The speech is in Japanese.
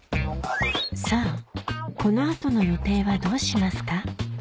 さぁこの後の予定はどうしますか？